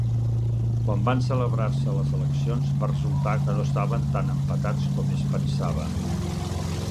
Quan van celebrar-se les eleccions, va resultar que no estaven tan empatats com es pensava.